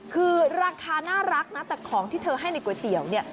คือราคาน่ารักนะแต่ของที่เธอให้ในก๋วยเตี๋ยวเนี่ย